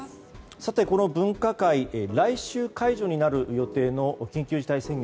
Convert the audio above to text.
さて、この分科会来週解除になる予定の緊急事態宣言